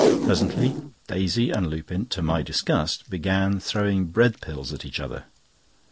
Presently Daisy and Lupin, to my disgust, began throwing bread pills at each other.